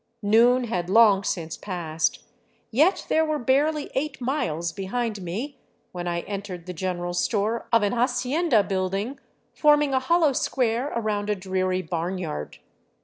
Noon had long since passed, yet there were barely eight miles behind me when I entered the general store of an hacienda build ing forming a hollow square ar©und a dreary barnyard.